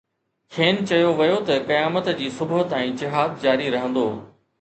کين چيو ويو ته قيامت جي صبح تائين جهاد جاري رهندو.